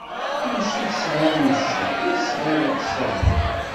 Anect tesɛiḍ n cci, i tesɛiḍ iḥessaden.